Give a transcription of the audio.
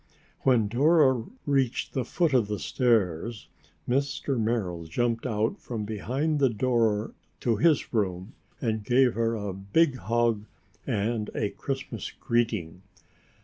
When Dora reached the foot of the stairs, Mr. Merrill jumped out from behind the door to his room and gave her a big hug and a Christmas greeting.